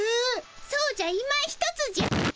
そうじゃいまひとつじゃ。